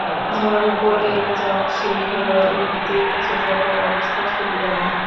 যাঁর ওপর রেগে যান, সেই খেলোয়াড় এমনিতেই বুঝে যাবে, অবস্থা সুবিধার নয়।